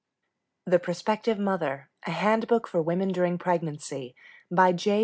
THE PROSPECTIVE MOTHER A Handbook for Women During Pregnancy by J.